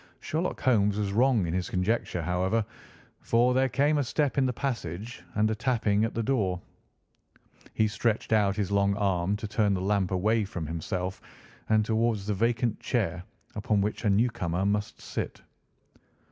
Sherlock Holmes was wrong in his conjecture, however, for there came a step in the passage and a tapping at the door. He stretched out his long arm to turn the lamp away from himself and towards the vacant chair upon which a newcomer must sit.